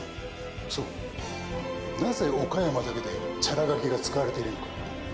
そうなぜ岡山だけでチャラ書きが使われているのか。